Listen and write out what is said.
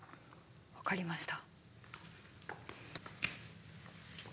分かりました。